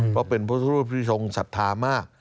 เพราะเป็นพจน์สัตว์ภพที่ทรงศรัทธามาก